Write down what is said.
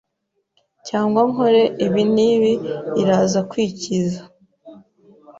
cyangwa nkore ibi n’ibi iraza kwikiza